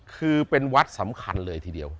คือเป็นวัดสำคัญเลยทีเดียว